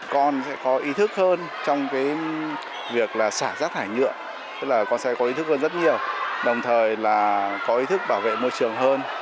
con sẽ có ý thức hơn trong việc là xả rác thải nhựa tức là con sẽ có ý thức hơn rất nhiều đồng thời là có ý thức bảo vệ môi trường hơn